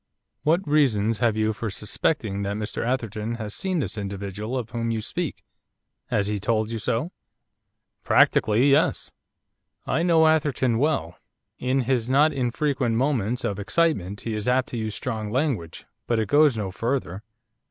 'What reason have you for suspecting that Mr Atherton has seen this individual of whom you speak, has he told you so?' 'Practically, yes.' 'I know Atherton well. In his not infrequent moments of excitement he is apt to use strong language, but it goes no further.